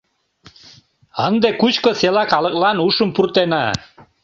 — Ынде Кучко села калыклан ушым пуртена!